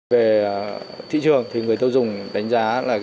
về thị trường người tiêu dùng đánh giá là